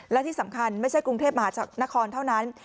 และที่สำคัญไม่ใช่กรุงเทพมหานครเท่านั้น